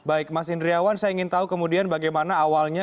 baik mas indriawan saya ingin tahu kemudian bagaimana awalnya